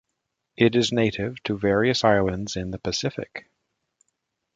It is native to various islands in the Pacific.